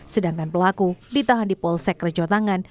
sedangkan pelaku ditahan di polsek rejotangan